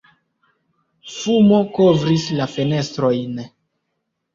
Fumo kovris la fenestrojn.